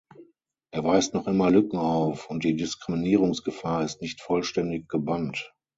Er weist noch immer Lücken auf, und die Diskriminierungsgefahr ist nicht vollständig gebannt.